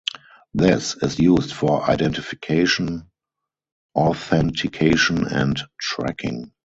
This is used for identification, authentication and tracking.